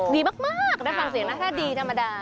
ดีมากฟังเสียงหน้าภาคดีธรรมดา